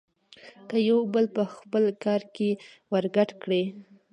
که يو بل په خپل کار کې ورګډ کړي.